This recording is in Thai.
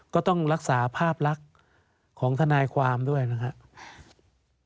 ก็ต้องรักษาภาพลักษณ์ของทนายความด้วยนะครับ